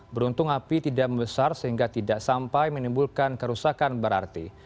beruntung api tidak membesar sehingga tidak sampai menimbulkan kerusakan berarti